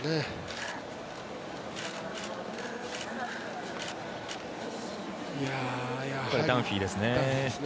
これ、ダンフィーですね。